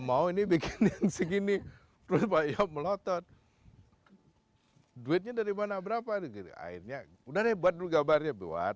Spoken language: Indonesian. mau ini bikin segini terus melotot duitnya dari mana berapa akhirnya udah buat gambarnya buat